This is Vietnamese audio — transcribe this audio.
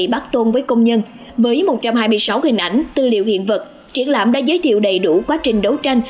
bác tôn với công nhân với một trăm hai mươi sáu hình ảnh tư liệu hiện vật triển lãm đã giới thiệu đầy đủ quá trình đấu tranh